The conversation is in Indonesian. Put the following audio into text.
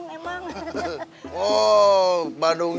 iya etak raung raung emang